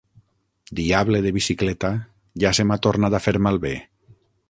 Diable de bicicleta: ja se m'ha tornat a fer malbé!